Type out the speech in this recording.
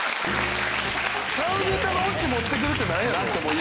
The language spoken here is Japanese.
ちゃうネタのオチ持ってくるってなんやねん。